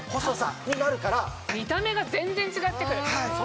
見た目が全然違ってくる。